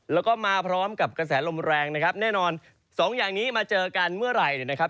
แล้วก็มาพร้อมกับกระแสลมแรงนะครับแน่นอนสองอย่างนี้มาเจอกันเมื่อไหร่เนี่ยนะครับ